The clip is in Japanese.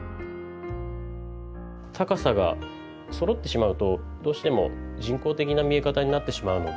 高さがそろってしまうとどうしても人工的な見え方になってしまうので。